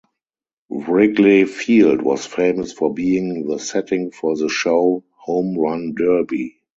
Wrigley Field was famous for being the setting for the show "Home Run Derby".